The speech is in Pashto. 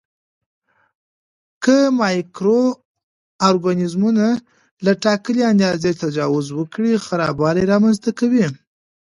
که مایکرو ارګانیزمونه له ټاکلي اندازې تجاوز وکړي خرابوالی رامینځته کوي.